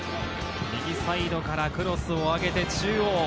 右サイドからクロスを上げて、中央。